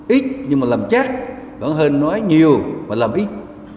ít nhưng mà làm chắc vẫn hơn nói nhiều và làm ít